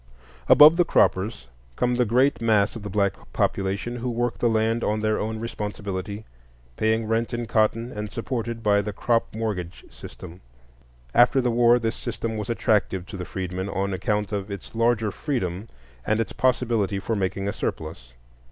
Above the croppers come the great mass of the black population who work the land on their own responsibility, paying rent in cotton and supported by the crop mortgage system. After the war this system was attractive to the freedmen on account of its larger freedom and its possibility for making a surplus.